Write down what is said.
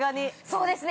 ◆そうですね。